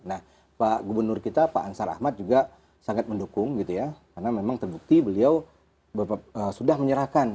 nah pak gubernur kita pak ansar ahmad juga sangat mendukung gitu ya karena memang terbukti beliau sudah menyerahkan